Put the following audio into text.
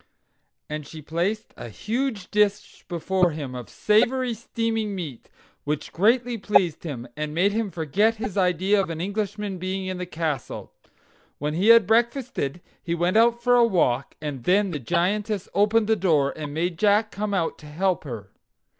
And she placed a huge dish before him of savory steaming meat, which greatly pleased him, and made him forget his idea of an Englishman being in the castle. When he had breakfasted he went out for a walk, and then the Giantess opened the door, and made Jack come out to help her.